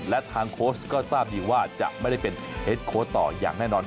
และทางโค้ชก็ทราบดีว่าจะไม่ได้เป็นเฮ็ดโค้ดต่ออย่างแน่นอน